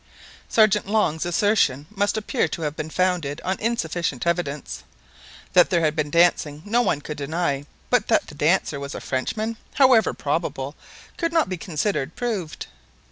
Sergeant Long's assertion must appear to have been founded on insufficient evidence. That there had been dancing no one could deny, but that the dancer was a Frenchman, however probable, could not be considered proved.